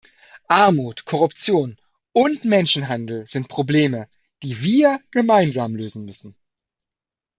Armut, Korruption und Menschenhandel sind Probleme, die wir gemeinsam lösen müssen.